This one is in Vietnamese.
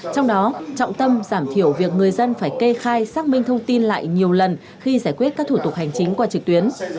trong đó trọng tâm giảm thiểu việc người dân phải kê khai xác minh thông tin lại nhiều lần khi giải quyết các thủ tục hành chính qua trực tuyến